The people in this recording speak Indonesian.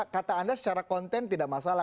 kata anda secara konten tidak masalah